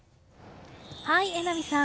はい、榎並さん。